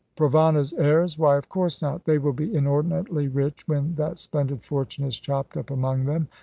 "Provana's heirs? Why, of course not! They will be inordinately rich when that splendid fortune is chopped up among them.